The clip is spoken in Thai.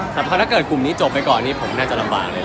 แต่ถ้าเกิดกลุ่มนี้จบไปก่อนผมน่าจะลำบากเลยนะครับ